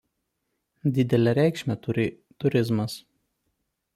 Didelę reikšmę turi turizmas.